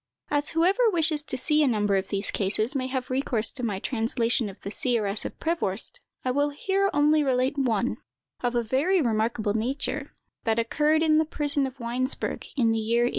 As whoever wishes to see a number of these cases may have recourse to my translation of the "Seeress of Prevorst," I will here only relate one, of a very remarkable nature, that occurred in the prison of Weinsberg, in the year 1835.